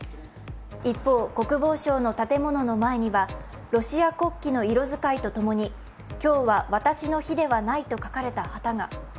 一方、国防省の建物の前には、ロシア国旗の色使いと共に、「今日は私の日ではない」と書かれた旗が。